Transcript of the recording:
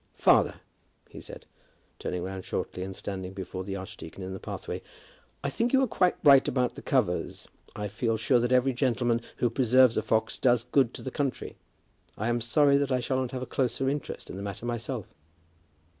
"Father," he said, turning round shortly, and standing before the archdeacon in the pathway, "I think you are quite right about the covers. I feel sure that every gentleman who preserves a fox does good to the country. I am sorry that I shall not have a closer interest in the matter myself."